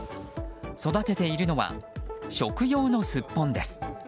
育てているのは食用のスッポンです。